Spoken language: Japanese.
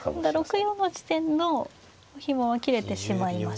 ６四の地点のひもは切れてしまいましたね。